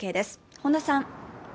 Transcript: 本田さん。